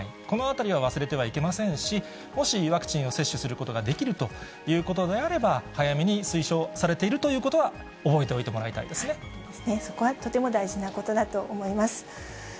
このあたりは忘れてはいけませんし、もしワクチンを接種することができるということであれば、早めに推奨されているということは、覚えておいてもらいたいですそうですね、そこはとても大事なことだと思います。